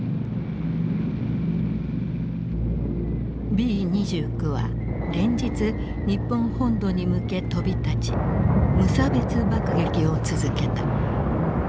Ｂ２９は連日日本本土に向け飛び立ち無差別爆撃を続けた。